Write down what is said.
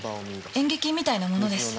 演劇みたいなものです。